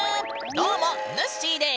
どうもぬっしーです！